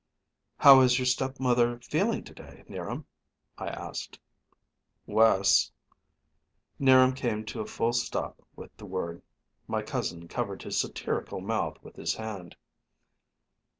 "How is your stepmother feeling to day, 'Niram?" I asked. "Worse." 'Niram came to a full stop with the word. My cousin covered his satirical mouth with his hand.